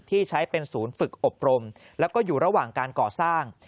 ที่ใช้เป็นศูนย์ฝึกอบรมแล้วก็อยู่ระหว่างการก่อสร้าง